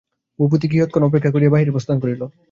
ভূপতি কিয়ৎক্ষণ অপেক্ষা করিয়া বাহিরে প্রস্থান করিল।